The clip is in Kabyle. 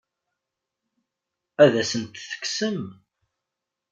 Ad asent-t-tekksem?